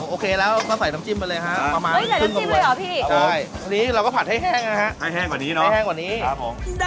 ออกมา